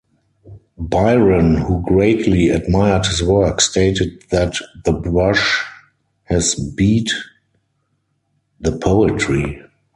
Byron, who greatly admired his work, stated that "the brush has beat the poetry".